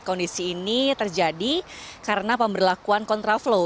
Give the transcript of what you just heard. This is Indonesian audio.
kondisi ini terjadi karena pemberlakuan kontraflow